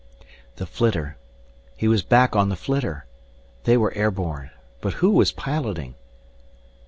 The flitter he was back on the flitter! They were air borne. But who was piloting?